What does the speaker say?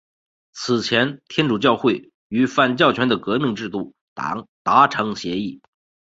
此前天主教会与反教权的革命制度党达成协议。